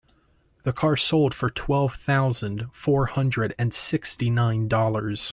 The car sold for twelve thousand four hundred and sixty nine dollars.